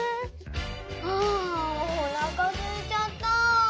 ああおなかすいちゃった！